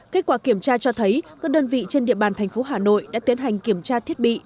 kết quả kiểm tra cho thấy các đơn vị trên địa bàn thành phố hà nội đã tiến hành kiểm tra thiết bị